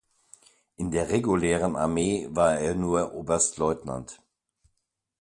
In der regulären Armee war er nur Oberstleutnant.